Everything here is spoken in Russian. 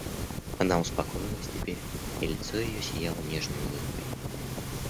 Она успокоилась теперь, и лицо ее сияло нежною улыбкой.